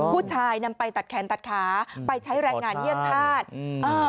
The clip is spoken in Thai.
ผู้ชายนำไปตัดแขนตัดขาไปใช้แรงงานเยี่ยมธาตุอืมอ่า